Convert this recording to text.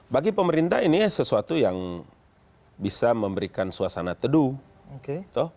bagi pemerintah ini sesuatu yang bisa memberikan suasana teduh